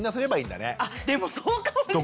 あでもそうかもしれない。